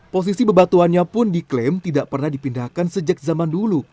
posisi bebatuannya pun diklaim tidak pernah dipindahkan sejak zaman dulu